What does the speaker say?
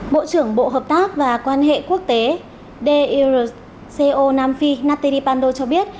bộ trưởng bộ hợp tác và quan hệ quốc tế d euro ceo nam phi nathalie pando cho biết